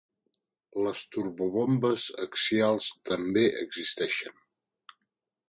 Les turbobombes axials també existeixen.